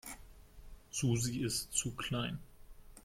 Susi ist zu klein.